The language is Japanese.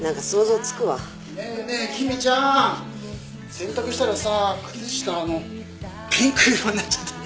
洗濯したらさ靴下あのピンク色になっちゃったんだけど。